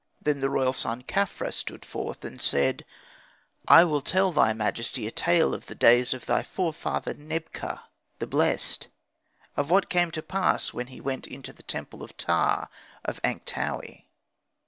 Then the royal son Khafra stood forth and said, "I will tell thy majesty a tale of the days of thy forefather Nebka, the blessed; of what came to pass when he went into the temple of Ptah of Ankhtaui."